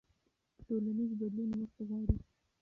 ټولنیز بدلون وخت غواړي.